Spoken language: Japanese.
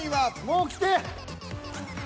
もうきて。